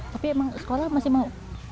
tapi emang sekolah masih mau